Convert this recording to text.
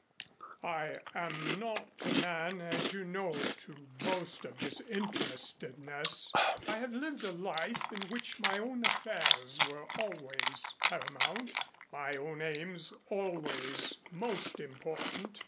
I am not a man, as you know, to boast of disinterestedness. I have lived a life in which my own affairs were always paramount, my own aims always most important.